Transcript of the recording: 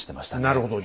なるほど。